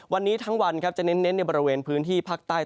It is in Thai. วันนี้ทั้งวันครับจะเน้นในบริเวณพื้นที่ภาคใต้